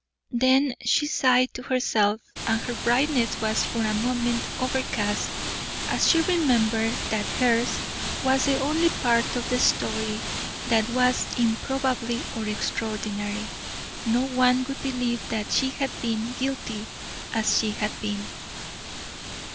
Then she sighed to herself, and her brightness was for one moment overcast as she remembered that hers was the only part of the story that was improbable or extraordinary; no one would believe that she had been guilty as she had been.